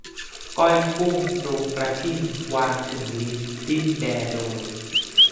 ก้อยกุ้งปรุงประทิ่น วางถึงลิ้นดิ้นแดโดย